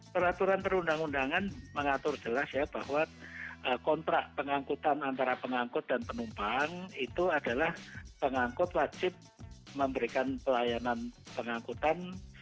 peraturan perundang undangan mengatur jelas ya bahwa kontrak pengangkutan antara pengangkut dan penumpang itu adalah pengangkut wajib memberikan pelayanan pengangkutan